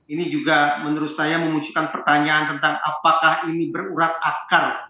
ini juga menurut saya memunculkan pertanyaan tentang apakah ini berurat akar